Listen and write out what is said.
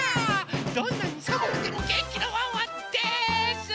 どんなにさむくてもげんきなワンワンです！